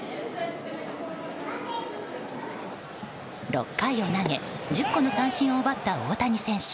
６回を投げ１０個の三振を奪った大谷選手。